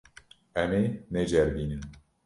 Em ê neceribînin.